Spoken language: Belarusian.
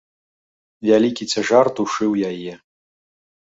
Вялікі цяжар душыў яе.